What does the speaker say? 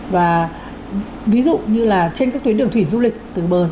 và ví dụ như là trên các tuyến đường thủy trọng điểm cũng như là phức tạp